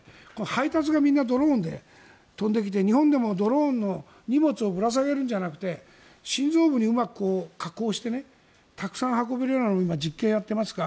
配達がドローンで飛んできて日本でもドローンの荷物をぶら下げるんじゃなくて心臓部をうまく加工してたくさん運べるものの実験をやっていますが。